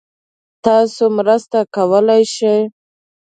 تاسو مرسته کولای شئ؟